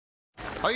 ・はい！